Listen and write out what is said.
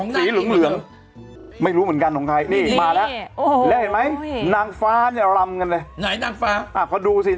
ของสีเหลืองเหลืองไม่รู้เหมือนกันของใครนี่มีมาแล้วโอ้โฮ